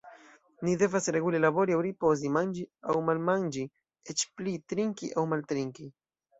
Ni devas regule labori aŭ ripozi, manĝi aŭ malmanĝi, eĉ pli: trinki aŭ maltrinki.